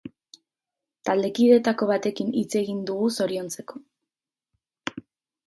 Taldekideetako batekin hitz egin dug zoriontzeko.